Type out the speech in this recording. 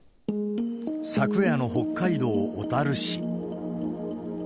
昨夜の北海道小樽市。